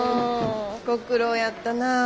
ご苦労やったな。